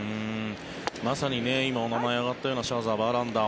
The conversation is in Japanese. まさに今、お名前が挙がったようなシャーザー、バーランダー